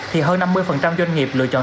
thì hơn năm mươi doanh nghiệp lựa chọn